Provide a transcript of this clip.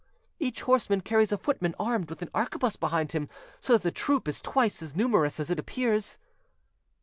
"Each horseman carries a footman armed with an arquebuse behind him, so that the troop is twice as numerous as it appears."